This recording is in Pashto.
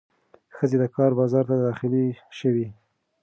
ښځې د کار بازار ته داخلې شوې.